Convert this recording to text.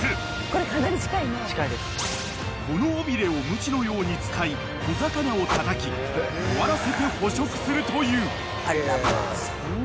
［この尾びれをむちのように使い小魚をたたき弱らせて捕食するという］